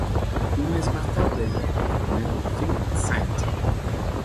Un mes más tarde, el coronel Philip St.